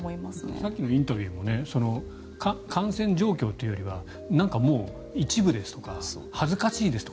さっきのインタビューも感染状況というよりはなんかもう、一部ですとか恥ずかしいですとか